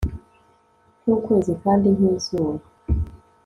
Nkukwezi kandi nkizuba